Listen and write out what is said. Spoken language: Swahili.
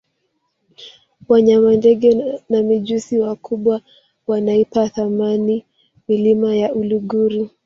wanyama ndege na mijusi wakubwa wanaipa thamani milima ya uluguru